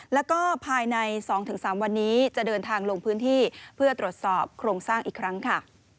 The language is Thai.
แล้วก็ภายใน๒๓วันนี้จะเดินทางลงพื้นที่เพื่อตรวจสอบโครงสร้างอีกครั้งค่ะ